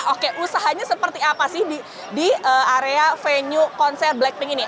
oke usahanya seperti apa sih di area venue konser blackpink ini